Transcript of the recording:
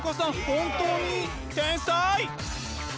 本当に天才！